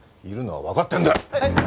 いるのはわかってんだ！